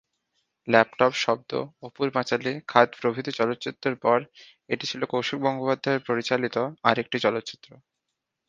Laptop, Shabdo, Apur Panchali, Khaad প্রভৃতি চলচ্চিত্রের পর, এটি ছিল কৌশিক গঙ্গোপাধ্যায়ের পরিচালিত আরেকটি চলচ্চিত্র।